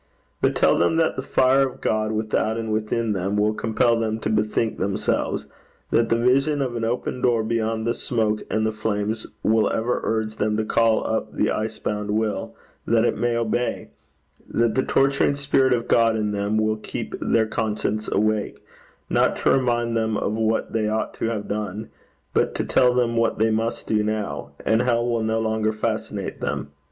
But tell them that the fire of God without and within them will compel them to bethink themselves; that the vision of an open door beyond the smoke and the flames will ever urge them to call up the ice bound will, that it may obey; that the torturing spirit of God in them will keep their consciences awake, not to remind them of what they ought to have done, but to tell them what they must do now, and hell will no longer fascinate them.